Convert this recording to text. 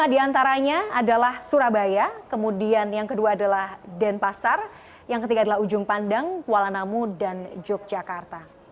lima diantaranya adalah surabaya kemudian yang kedua adalah denpasar yang ketiga adalah ujung pandang kuala namu dan yogyakarta